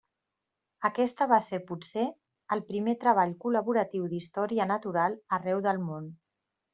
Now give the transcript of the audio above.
Aquesta va ser potser el primer treball col·laboratiu d'història natural arreu del món.